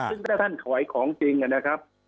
ซึ่งถ้าท่านถวายของจริงนะครับ